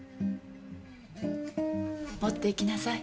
持って行きなさい。